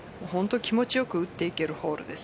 気持ちよく打っていけるホールです。